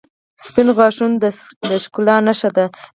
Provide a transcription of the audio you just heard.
• سپین غاښونه د ښکلا نښه ده.